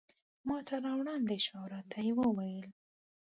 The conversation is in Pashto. ماته را وړاندې شوه او راته ویې ویل.